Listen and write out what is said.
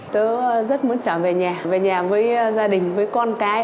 tớ rất muốn trở về nhà về nhà với gia đình với con cái